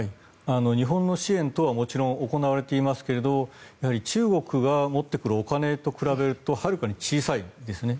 日本の支援等はもちろん行われていますが中国が持ってくるお金と比べるとはるかに小さいですね。